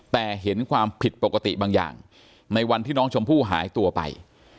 แต่เห็นความผิดปกติบางอย่างในวันที่น้องชมพู่หายตัวไป